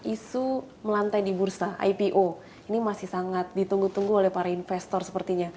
isu melantai di bursa ipo ini masih sangat ditunggu tunggu oleh para investor sepertinya